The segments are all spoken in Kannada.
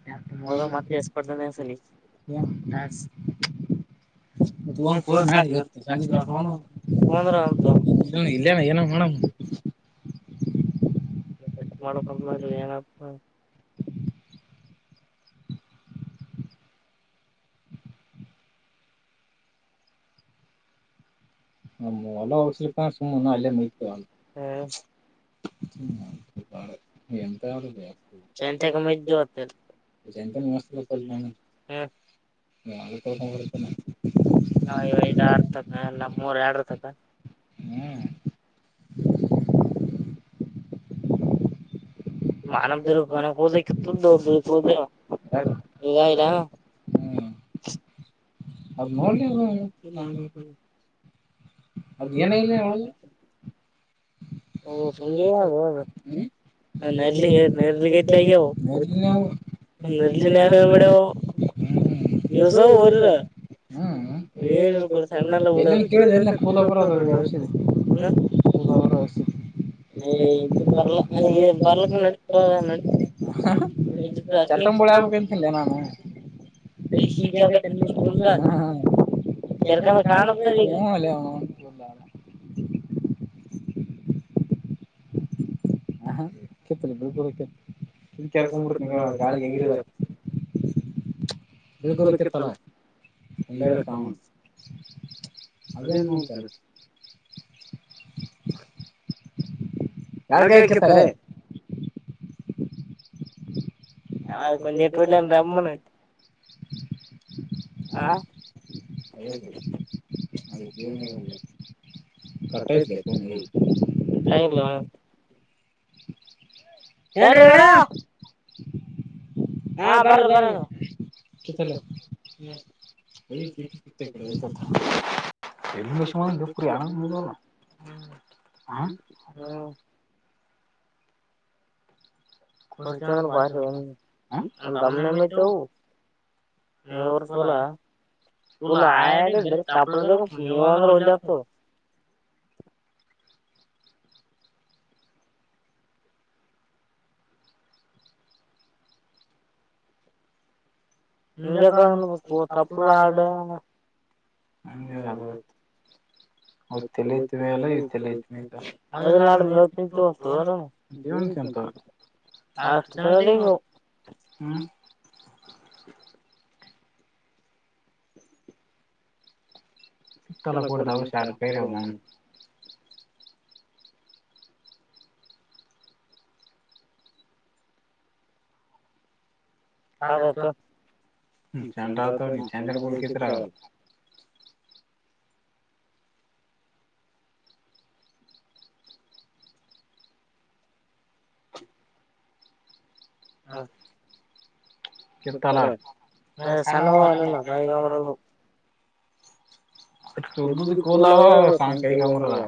[unintelligible] ಮತ್ತೆಷ್ಟ [unintelligible] ಮತ್ತ ಹ ನಾ ಇಲ್ಲನ ಏನ ಮಾಡ ಚೆಕ್ ಮಾಡಬೇಕ ಅಂತ ಮಾಡಿ ಏನಪ್ಪ [unintelligible] ಕ್ಸಜನ್ ಅಲ್ಲ ನತುದು ಚಂತಕ ಮೈತಿದ್ದು ಇವತ್ತ್ [unintelligible] ತ ನೀೂತ ನಾನ ನೀ ಇವ ಐದ ಆರ ತಂದ ನಮ್ಮೂರ್ ಎರಡ ಹ್ಮ [unintelligible] ಮಾನವ ದರ್ನೋದಕ್ಕೆತ್ತುದ್ದು ಬಿಳಕೋುದು ಇದ [unintelligible] ಅದನ ನೋಡಿ ಅದ್ ಏನ ಇಲ್ಲ ಅಣ್ಣ ಒಳಗ ಹ್ಮ ಸಂಜೆಳಾಗ ಹೋಗಬೇಕ ನರ್ಲಿ ನರ್ಲಿ ಗತಲೆ ಆಗ್ಯವ ಯದಕ್ಕ ಆಗ್ಯವ ಅವು ನರ್ಲಿನ ಅವ ಏನ್ ಮಾಡ್ಯವ ಅವು ಯೇಸ ಅವ ಹೋರಿರ ಹ್ಮ್ ಹೇಳಬೇಕೂಡ ಸಣ್ಣಲ್ಲಡ ಬರ್ಲ ಬರ್ಲಕ್ ನಡೀತದ ತುಗೋ [unintelligible] ಹ್ಮ ಇ [unintelligible] ಕೆರ್ಕ ಕಾಣಂತ [unintelligible] ಂದಾನ ಕಿತ್ತ ಲೇ ಬಿಳಿ ಕೂದಲ ಹುಡಕೊಂಡ ಬಿಡ್ತೀನಿ ಗಾಳಿಗೆ ಹರಿದಾಗ ಬಿಳಿ ಕೂದಲ ಕಿತ್ತ ಅಲ್ಲ ಒಂದೇರೆ ಸಾಂಗ [unintelligible] ಅದೇನ್ ಮಾಡ್ತಾರೆ. ಯಾಕೆ. [unintelligible] ಅರೆ. ಹದು ಕೊಂಚೆ ಟ ಇಡ್ಲ್ಲ ರಮ್ಮನ. ಹ ಬತಯತ ಲ್ಲ. [unintelligible] ಏನ್ರಿ ಗಡ ಹಾ ಬರ್ರಿ ಬರಿ. ತ್ತಲ್ಲ್ಮ ಕ ಕ. [unintelligible] ಎಲ್ಲಿ ವಿಷ ಯಾರ್ಮ. [unintelligible] ಹಾ ಪರಿಚಯ ಅದನ್ ಬಾರಿ ಅವ್ನು ನಾಮಾ ತಮ್. [unintelligible] [unintelligible] ನೀರ್ತಲ ಲ್ ಆಡಟ್ ತಾಪ್ಬೇಕ ನೀವ್ ಅಂದ್ರೆ ಒಂಜ ಆತ. ಹಂಗೆ [unintelligible] ತಪ್ಪಲ ಆಡ. ಹಂಗೆ ಆಗೋತು. [unintelligible] ಮುಲಚ ಮ ನಾಡ ಚತರ. ಆ. [unintelligible] [inaudible] ಸುತ್ತಲ್ಲ ಕೊಡತ ಹಷ ಅಡು ಪಯಿ. ಹ ಚಾನ ರತ ನೀ ನ್ ಚನ ಕುಲ್ಕತಿ ರಲ್ಲ. ಹಾ ಕುತ್ತಲ. [unintelligible] ಸ್ದ ಕೋಲ ಆವಾ ಸ ಕ ಈ ಕಮರಲ್ಲ.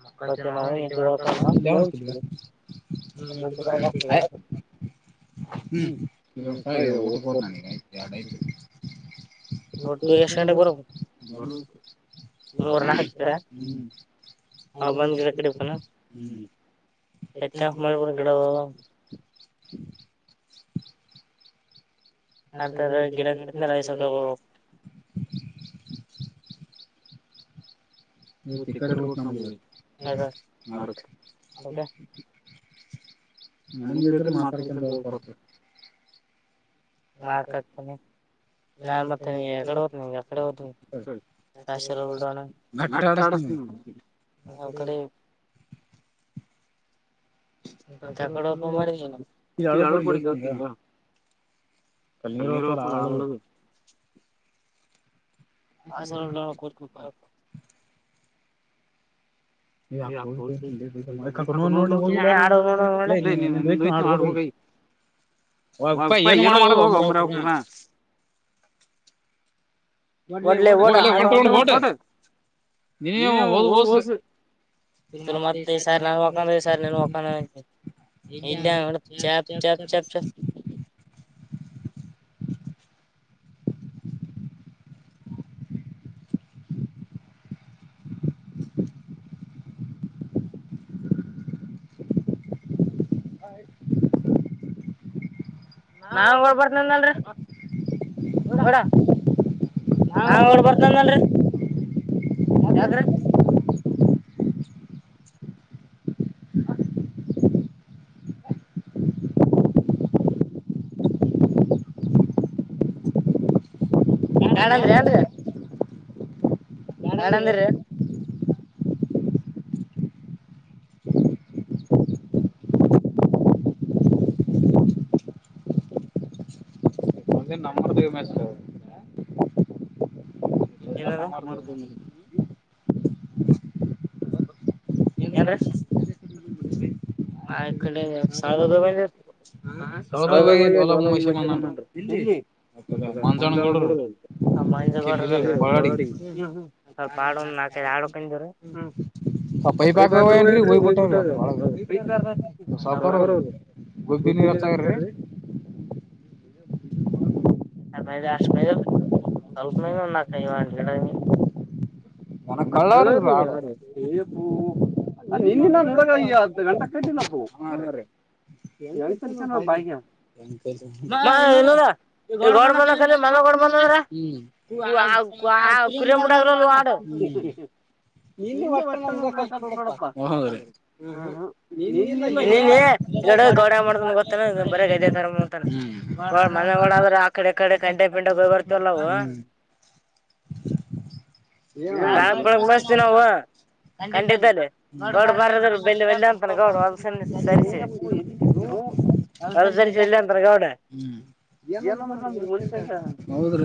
[unintelligible] [inaudible] ಹ್ಮ್ ಇ ಇದ ಊಟಕೋಡ್ ನನ ಎಡ ಆತು. ಹೊಟ್ಟು ಎಷ್ಟ ಗಂಟೆ ಬರ್ಬೇಕು ಬರಲ್ಲ ಮೂರು ನಾಕ್ ಹ್ಮ್ಮ್. ಹ ಬಂದ ಗಿಡ ಕಡೆ ಹೊಕನ ನೆಟ್ ಆಫ್ ಮಾಡಿ ಗಿಡೊ. ಅಂತರ ಗಿಡ [unintelligible] ಗಿಡ ಮ ಸ್ವಲ್ಪ. ಇವ ತ ಕ ರೂಟ್ ನ ಯಾರು ಮಾರುತಿ ಯಾಕೇ. ಅ ಮತ ಮಾತಾರ ಚ ಜವ ಪತ. ಮಾತಡ್ತನನೆ. ನಾನನ್ ಮತ್ತೆ ನೀ ಎಕಡೆ ಹತನಗೆ ಅಕಡೆ ಹತನ ಕಸರ ಉಡೋನ. ಅಟ್ ಅಡಸ್ತಾನಿ ಅವ್ನಿಗೆ ಯಾವ್ ಕಡೆ. ತಕಡಪ್ಪ ಅಳಪಡಿತ. ಕಣ್ಣೀರು ಹೊತವಲ್ಲ ಅವಳದು. ಆ ಸಲ ಕತ್ಕ. [unintelligible] [unintelligible] ಹೇ ಆಡೋ ನೋಡೋ ಲೆ ಲೊ ನಿಂದು ಹೋಯಿತು ನೋಡು ಹೋಗು ಹೇ. ಒ ಇಪ್ಪ ಏನು ಮಾಡಲ್ಲ ಹೋಗೋ ಮಾರಿಯಾ ಕಡನಾ. [unintelligible] ಒಡ್ಲೆ ಓಡು. [unintelligible] ತ ಮತ್ತೆ ಸರ್ ನುಕ್ಕಂದ ಸರ್ ನು ಹ. ಇಲ್ಲ ಚಪ್ ಚಪ್ ಚಾಪ್. ನಾವ ಓಡ್ಬರ್ತಂದಲ್ರ ಓಡ. ನಾನು ಓಡಿ ಬರ್ತಂದಲ್ರಿ ಯಾರೀ. ಬ್ಯಾಡ ಅಂದ್ರ ಏನ್ರಿ. ಬ್ಯಾಡಂದಿರಿ. ಅದು ನಮ್ಮರದ ಮೆಸ್ ಏನ ಅದು ಏಂದ್ರ ಆ ಕಡೆ ಹ ಸಳದ ಹೋಗ ಮ್ಜೆ ಎಲ್ಲಿ [unintelligible] ಸ್ವಲ್ಪ ಆಡ್ ನಾಕ ಆಡಕಂದ್ರ್ಮ [unintelligible] ಹ ಪೈಪಾಕ ಕುಟ್ಟ ಗುಬ್ಬಿನ ಹೆಚ್ಚ ಆಗ್ಯವ ರಿ [unintelligible] ಆೇಲೆ ಅಷ್ಟ ಮೇಲೆ ಸ್ವಲ್ಪ ಮೇ ನಕ ಇ ಕಳ್ಳರ ಇವರ ಆರ ರಿ ಯಪ್ಪೋ ನಿನ್ನೆ ನನ್ನ ಹುಡಗ ಹತ್ತು ಗಂಟ ಕಟ್ಟಿನಪ್ಪ ಅವು ಹ [unintelligible] [unintelligible] ಹ್ಮಹ್ [unintelligible] ನೀನು ಒಟ್ಟಂಪ ನೋಡಪ್ಪ ಹೌದ್ರಿ [unintelligible] ಆ ಕಡೆ ಈ ಕಡೆ ಕಂಟ್ಯಾಗ ಪಿಂಟ್ಯಾಗ ಹೋಗಿ ಬರ್ತೀವ ಅಲ್ಲ ನಾವು [unintelligible] ಕಂಟಿ ಇದ್ದಲ್ಲಿ ಗೌಡ್ ಬರದ್ರ ಬೆಳ್ಳಿ ಬೆಲ್ಲ ಅಂತಾನ ಗೌಡು ಒಂದ್ [unintelligible] ಹೊಲದಲ್ಲಿ ಸರಿಷ ಇಲ್ಲ ಅಂಗ ಅವಡ [unintelligible] ಹ್ಮ್ ಏನಂದ್ರ ನಮ್ ರ್ಸೇಲ್ಲ ಹೋದ್ರ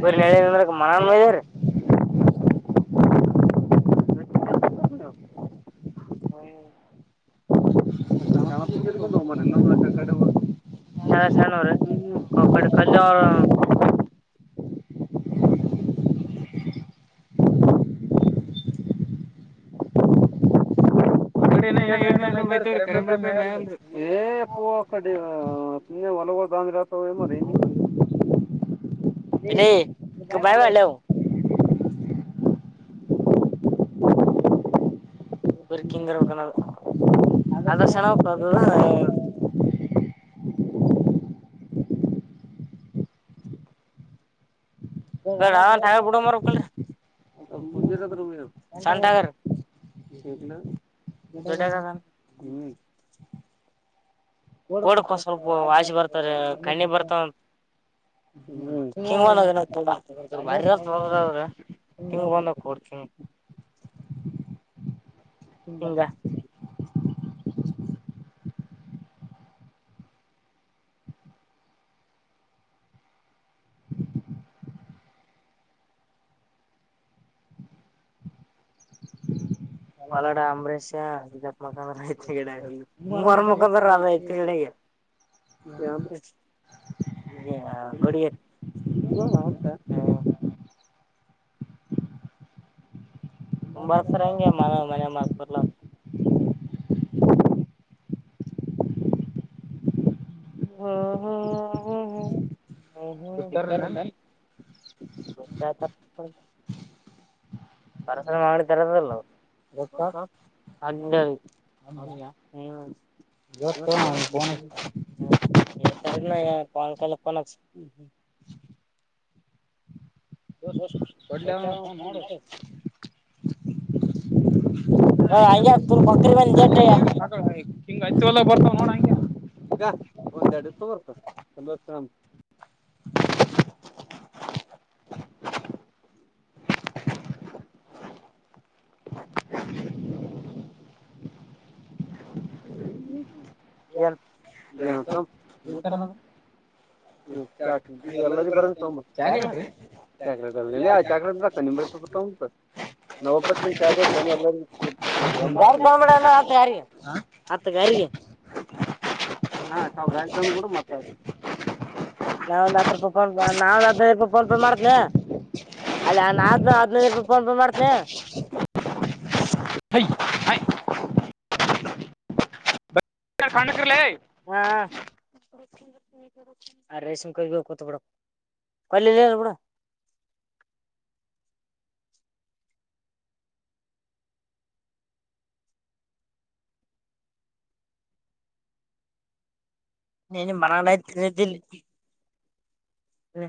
[unintelligible] ನೆಯಂದ ಮನಾನನ್ ಮದರ್ [unintelligible] ಚಾಣಾ ಪೂಜೆಗೊಂದು ಹೋಮರ್ ಇಲ್ಲಂದಡೆ ಹೋಗಿ [unintelligible] ಸಣ್ಣ ಅವ್ರಡೆ ಕ ಅವ [unintelligible] ಎಏಡ್ನ ಎ ಮೈತವ್ರೀ ಕರಂಬಳಪ ಮಲ್ರಿ ಏಪ್ಪೋ [unintelligible] ಕಡೆ ಒಲವತ ಮ ಎ ಬಾಯ ಮಾಡ್ಲೆ ಅವು [unintelligible] ಬರ್ಕಂಗರ್ಬೇಕ ಅದರ್ಶನ ಅದು [unintelligible] ಬುಡೋ ಮಾರಕ ಸಾಗ ದೊಡ್ಡ್ಯಾಗ ಅದಾನ ಓಡ ಒಂದ್ ಸ್ವಲ್ಪ ವಾಸಿ ಬರ್ತಾರ ಕಣ್ಣಿ ಬರ್ತಾವ [unintelligible] ಹ್ಮಂಗ ಬಾರಿ ಹದ್ರೆ ನಿಮಗ ಒಂದ ಕೊಡ್ತೀನಿ ಹಿಂಗ ಪೋಲಡ ಅಂಬರೀಷ ಗಗತ್ ಮಖಾಂದಐತೆ ಗಿಡ ಹಿಂಗ ಹೊರಗ ಮಕ್ಕೊಂದರ ಎತ್ತಿನ ಗಾಡ್ಯಗೆ [unintelligible] ಗುಡಿಯತ್ ತಂಬರ್ಸರ ಹಂಗೆ ಮನ್ಯಾಗ ಮಾಡ್ಕರ್ಲ ಹ್ಮ ಹ್ಮ [unintelligible] ಹ್ಮ್ ಇತಾರೆ ಪರಸನ ಅಂಗಡಿ ತರದದಲ್ಲ ಹಂಗ ಹ್ಮ ಇವತ್ತ್ ನಾ ಅವನಿಗ ಪೋನ್ ಹಚ್ಚತಿನಿ [unintelligible] ಪಾಲ್ ಕಲ್ಲಪ್ಪ ತೋರ್ಸ್ ಕೊಡ್ಲೇ ಅವನ ಫೋನ್ ನೋಡು. [unintelligible] ಹೇ ಹತ್ತಿ ಹೊಲ್ದಾಗ್ ಬರ್ತಾವ ನೋಡ ಹಂಗೇ. ಗ ಒಂದೆರಡು ಇಸಂಬರ್ತ [unintelligible] ತಿನಮ್ ಹು ಏನ್ ಏನಂತಾ. [unintelligible] [unintelligible] ಇಲ್ಲಾರಿಗ್ ಬರಂಗ ತೊಂಬಾ ಚಾ. [unintelligible] ಚಾಕಟಲ್ [unintelligible] ಚಾಕೇಟ್ ಬೇಕನ್ ನಿಮ್ [unintelligible] ತೊಂಬಾ. ನಾವ್ ಒಪ್ಪತ್ತಿನ [unintelligible] ಎಲ್ಲರಿಗೆ [unintelligible] ಹಚ್ ಯಾರಿಗಿ. ಹತ್ತ ಗಾರಿಗೆ ಹಾ ಸ ಗಾಡಿ ತಂದ ಬಿಡು ಮತ್ತ ಯಾಡ್ ಹತ್ ರೂಪಾಯಿಕ್ ಒಂದ ನಾಳೆ ಹದ್ನೈದ್ [unintelligible] ಫೋನ್ ಪೇ ಮಾಡ್ತ್ನಿ. ಅಲ್ಯ ನಾದ್ನ ಹದ್ನ ಹದ್ನೈದ್ ರೂಪಾಯ ಫೋನ ಪೇ ಮಾಡತ್ನಿ. ಐ ಹಾಯ್ [unintelligible] ಸೊಣ್ಣಾಕಿರ್ಲೆ. ಹಾ ಹ. ಅ ರೇಸಮ ಕೈ ಗೋ ಕೂತುಬುಡೋಮ್ ಕಲ್ ಇಲ್ಲೇ ಇರ್ಲಿ ಬಿಡ. ನೀನ್ ಮನಗಂಡ್ ಅಯ್ತ್ ತಿಂದಿದ್ದಿಲ್ಲಿ. ಹ್ಮ್